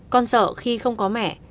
con sợ khi không có mẹ